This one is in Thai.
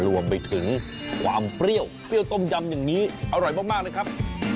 รวมไปถึงความเปรี้ยวเปรี้ยวต้มยำอย่างนี้อร่อยมากเลยครับ